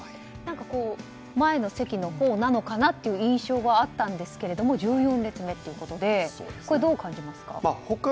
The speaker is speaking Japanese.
前の席のほうなのかなという印象はあったんですけれども１４列目ということでどう感じますか？